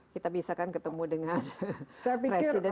kita bisa kan ketemu dengan presiden